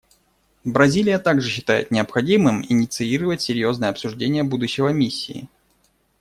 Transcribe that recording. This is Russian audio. Бразилия также считает необходимым инициировать серьезное обсуждение будущего Миссии.